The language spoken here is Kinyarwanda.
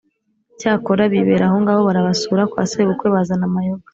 cyakora bibera ahongaho barabasura, kwa sebukwe bazana amayoga.